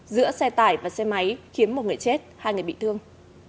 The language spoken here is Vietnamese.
giữa xe tải và xe máy khiến một người chết hai người bị thương